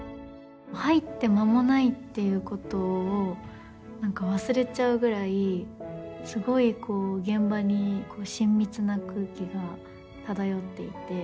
入って間もないっていうことを忘れちゃうぐらいすごい現場に親密な空気が漂っていて。